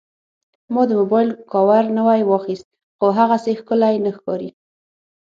ما د موبایل کاور نوی واخیست، خو هغسې ښکلی نه ښکاري.